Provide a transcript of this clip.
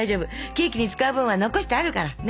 ケーキに使う分は残してあるからね。